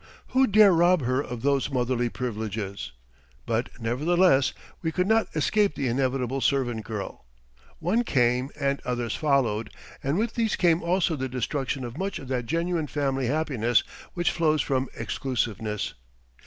Who dare rob her of those motherly privileges! But nevertheless we could not escape the inevitable servant girl. One came, and others followed, and with these came also the destruction of much of that genuine family happiness which flows from exclusiveness.